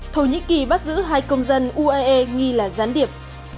thổ nhĩ kỳ bắt giữ hai công dân uae nghi là gián điệp